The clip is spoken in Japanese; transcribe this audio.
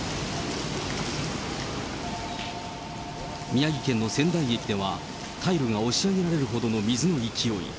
宮城県の仙台駅では、タイルが押し上げられるほどの水の勢い。